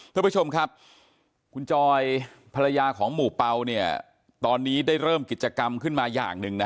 ทุกผู้ชมครับคุณจอยภรรยาของหมู่เปล่าเนี่ยตอนนี้ได้เริ่มกิจกรรมขึ้นมาอย่างหนึ่งนะ